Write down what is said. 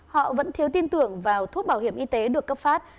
họ vẫn thiếu tin tưởng vào thuốc bảo hiểm y tế được cấp phát